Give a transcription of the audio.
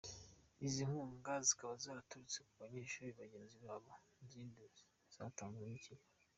Izi nkunga zikaba zaraturutse mu banyeshuri bagenzi babo n’izindi zatanzwe n’ikigo.